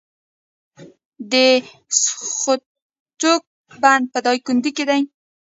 د سوختوک بند په دایکنډي کې دی